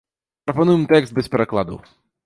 Прапануем тэкст без перакладу.